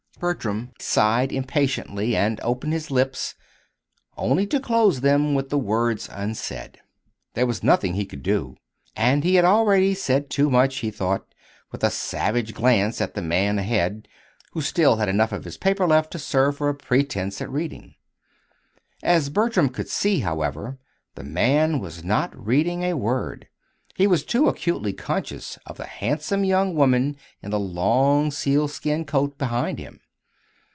Bertram sighed impatiently and opened his lips only to close them with the words unsaid. There was nothing he could do, and he had already said too much, he thought, with a savage glance at the man ahead who still had enough of his paper left to serve for a pretence at reading. As Bertram could see, however, the man was not reading a word he was too acutely conscious of the handsome young woman in the long sealskin coat behind him.